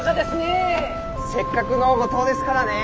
せっかくの五島ですからね。